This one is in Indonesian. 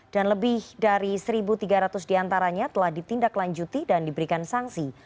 dan lebih dari seribu tiga ratus diantaranya telah ditindaklanjuti dan diberikan sanksi